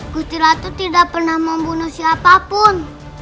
gusti ratu tidak pernah membunuh siapapun